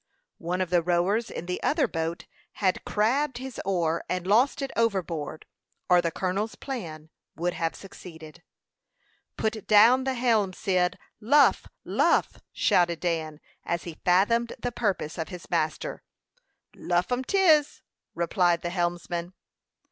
One of the rowers in the other boat had "crabbed" his oar and lost it overboard, or the colonel's plan would have succeeded. "Put down the helm, Cyd! Luff, luff!" shouted Dan, as he fathomed the purpose of his master. "Luff um 'tis!" replied the helmsman.